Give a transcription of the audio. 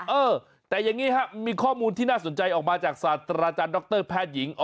เออแต่อย่างนี้ครับมีข้อมูลที่น่าสนใจออกมาจากศาสตราจารย์ดรแพทย์หญิง